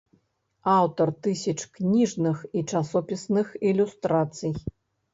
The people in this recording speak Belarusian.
Аўтар тысяч кніжных і часопісных ілюстрацый.